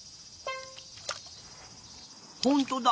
ほんとだ！